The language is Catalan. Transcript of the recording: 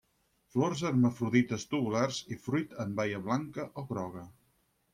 Flors hermafrodites tubulars i fruit en baia blanca o groga.